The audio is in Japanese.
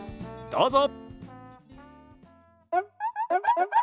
どうぞ。